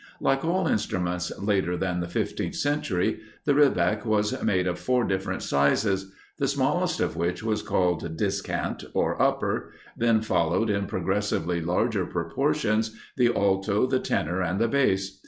Like all instruments later than the fifteenth century, the Rebec was made of four different sizes, the smallest of which was called Discant, or upper; then followed, in progressively larger proportions, the Alto, the Tenor, and the Bass.